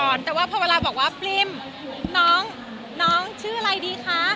เพราะว่ายังไงเป็นความมีปัญหาต่อมาแล้วเหมือนกันนะคะ